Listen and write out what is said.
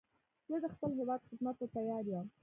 زه د خپل هېواد خدمت ته تیار یم